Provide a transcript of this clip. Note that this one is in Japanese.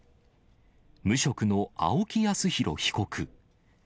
無職の青木康弘被告。